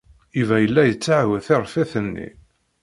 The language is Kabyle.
Yuba yella yettaɛu tiṛeffit-nni.